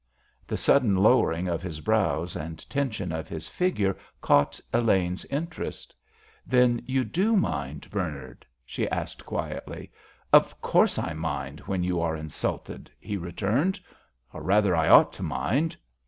The sudden lowering of his brows and tension of his figure caught Elaine's interest. "Then you do mind, Bernard?" she asked quietly. "Of course I mind, when you are insulted," he returned. "Or, rather, I ought to mind."